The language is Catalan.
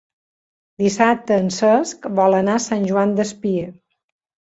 Dissabte en Cesc vol anar a Sant Joan Despí.